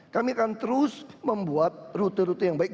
kami akan terus membuat rute rute yang baik